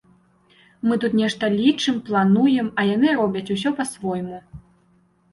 Мы тут нешта лічым, плануем, а яны робяць усё па-свойму.